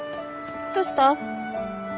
どうした？